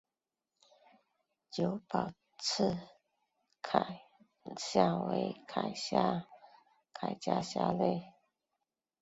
久保刺铠虾为铠甲虾科刺铠虾属下的一个种。